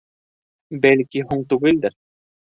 Бәлки, һуң түгелдер...